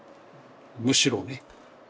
むしろね。